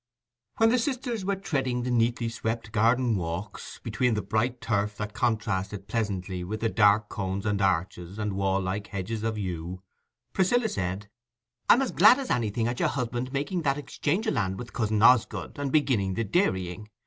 When the sisters were treading the neatly swept garden walks, between the bright turf that contrasted pleasantly with the dark cones and arches and wall like hedges of yew, Priscilla said— "I'm as glad as anything at your husband's making that exchange o' land with cousin Osgood, and beginning the dairying.